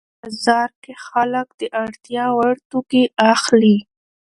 بازار کې خلک د اړتیا وړ توکي اخلي